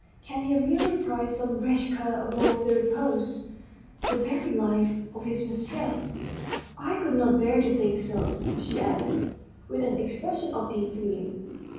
Can he really prize some wretched cur above the repose the very life of his mistress? I could not bear to think so," she added, with an expression of deep feeling.